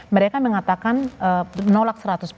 mereka mengatakan menolak seratus